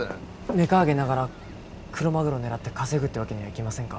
メカ揚げながらクロマグロ狙って稼ぐってわけにはいきませんか？